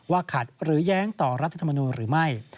ว่าขัดหรือย้างต่อรัฐมนูลหรือไม่